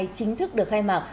chính thức được khai mạc